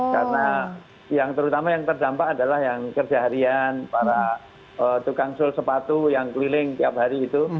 karena yang terutama yang terdampak adalah yang kerja harian para tukang sul sepatu yang keliling tiap hari itu